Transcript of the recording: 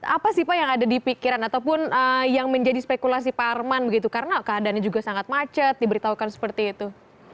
apa sih pak yang ada di pikiran ataupun yang menjadi spekulasi pak arman begitu karena keadaannya juga sangat macet diberitahukan seperti itu